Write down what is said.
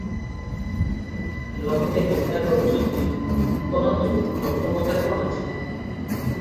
ଲୋକେ ନିନ୍ଦା କରୁଛନ୍ତି, କରନ୍ତୁ, ଲୋକ କଥାରେ କଣ ଅଛି?